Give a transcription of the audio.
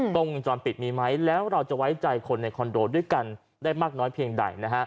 กล้องวงจรปิดมีไหมแล้วเราจะไว้ใจคนในคอนโดด้วยกันได้มากน้อยเพียงใด